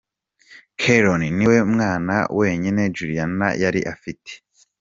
Keron niwe mwana wenyine Juliana yari afite.